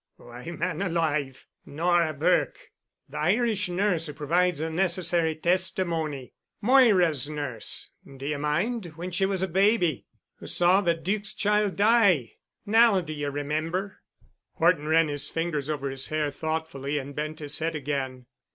"Why, man alive,—Nora Burke—the Irish nurse who provides the necessary testimony—Moira's nurse, d'ye mind, when she was a baby, who saw the Duc's child die—now do ye remember——?" Horton ran his fingers over his hair thoughtfully and bent his head again.